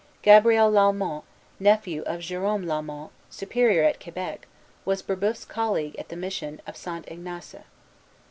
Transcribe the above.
Gabriel Lalemant, nephew of Jerome Lalemant, Superior at Quebec, was Brébeuf's colleague at the mission of St. Ignace.